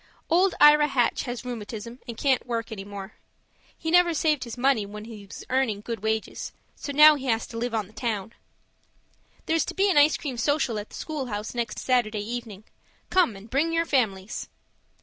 Old Ira Hatch has rheumatism and can't work any more; he never saved his money when he was earning good wages, so now he has to live on the town. There's to be an ice cream social at the schoolhouse next Saturday evening. Come and bring your families.